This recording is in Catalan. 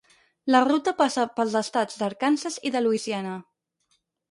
La ruta passa pels estats d'Arkansas i de Louisiana.